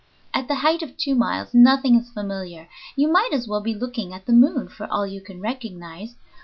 At the height of two miles nothing is familiar; you might as well be looking at the moon, for all you can recognize.